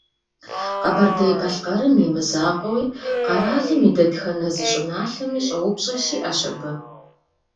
Къэбэрдей-Балъкъэрым имызакъуэуи, къэралым и дэтхэнэ зы щӏыналъэми щӏэупщӏэ щиӏэщ абы.